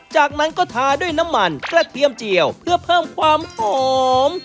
จากนั้นก็ทาด้วยน้ำมันกระเทียมเจียวเพื่อเพิ่มความหอม